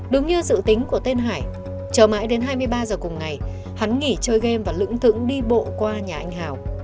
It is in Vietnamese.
đúng như dự tính của tên hải chờ mãi đến hai mươi ba giờ cùng ngày hắn nghỉ chơi game và lưỡng thựng đi bộ qua nhà anh hào